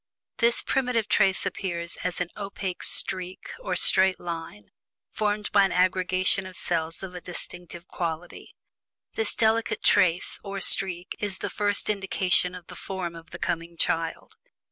This primitive trace appears as an opaque streak, or straight line, formed of an aggregation of cells of a distinctive quality. This delicate "trace" or "streak" is the first indication of the form of the coming child.